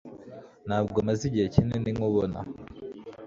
Ntabwo maze igihe kinini nkubona.